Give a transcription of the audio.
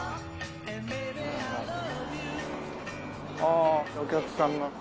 あお客さんが。